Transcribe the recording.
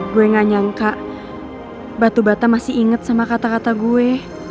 gue gak nyangka batu bata masih inget sama kata kata gue